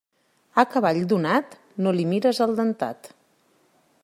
A cavall donat no li mires el dentat.